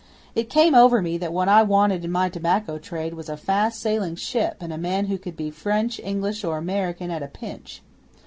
It came over me that what I wanted in my tobacco trade was a fast sailing ship and a man who could be French, English, or American at a pinch.